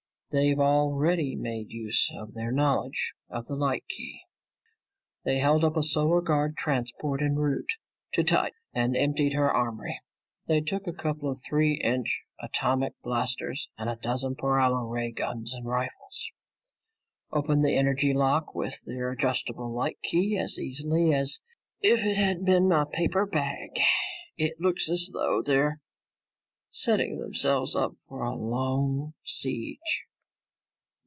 "They've already made use of their knowledge of the light key. They held up a Solar Guard transport en route to Titan and emptied her armory. They took a couple of three inch atomic blasters and a dozen paralo ray guns and rifles. Opened the energy lock with their adjustable light key as easily as if it had been a paper bag. It looks as though they're setting themselves up for a long siege."